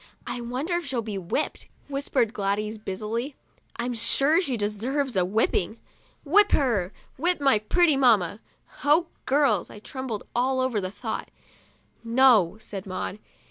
4 1 wonder if she'll be whipped ?" whispered Gladys, busily; " I'm sure she deserves a whipping." 1 Whip her ! Whip my pretty mamma ! Oh, girls !" I trembled all over at the thought. " No," said Maud.